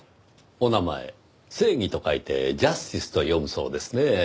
お名前「正義」と書いて「ジャスティス」と読むそうですねぇ。